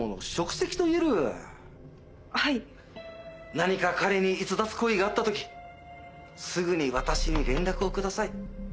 何か彼に逸脱行為があった時すぐに私に連絡をください。